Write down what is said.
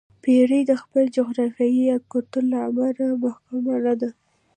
پیرو د خپلې جغرافیې یا کلتور له امله محکومه نه ده.